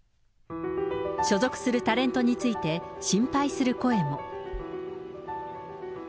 所属するタレントについて心配する声も。